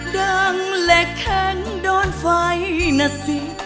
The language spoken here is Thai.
ดังและแข็งโดนไฟนะสิ